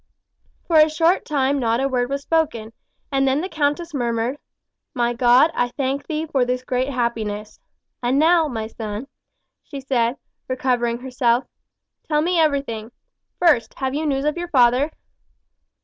For a short time not a word was spoken, and then the countess murmured: "My God, I thank thee for this great happiness. And now, my son," she said, recovering herself, "tell me everything. First, have you news of your father?"